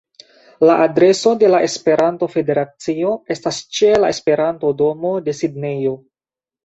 La adreso de la Esperanto-Federacio estas ĉe la Esperanto-domo de Sidnejo.